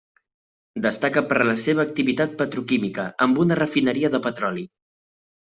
Destaca per la seva activitat petroquímica, amb una refineria de petroli.